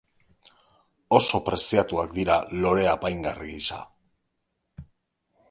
Oso preziatuak dira lore apaingarri gisa.